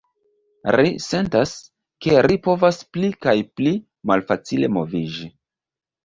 Ri sentas, ke ri povas pli kaj pli malfacile moviĝi.